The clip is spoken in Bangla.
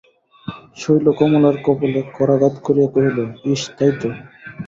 শৈল কমলার কপোলে করাঘাত করিয়া কহিল, ইস, তাই তো!